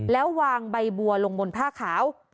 แล้ววางใบบัวลงบนผ้าขาว